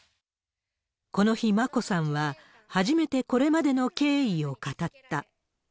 この日、眞子さんは初めてこれまでの経緯を語った。